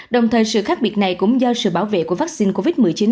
đồng thời sự khác biệt này cũng do sự bảo vệ của vaccine covid một mươi chín